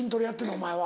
お前は。